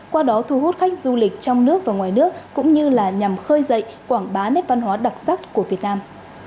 qua đó thu hút khách du lịch trong nước và ngoài nước cũng như là nhằm khơi dậy quảng bá nét văn hóa đặc sắc của việt nam